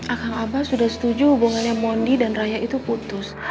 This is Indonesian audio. akang abah sudah setuju hubungannya mondi dan raya itu putus